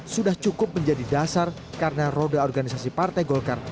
sudah cukup menjadi dasar karena roda organisasi partai golkar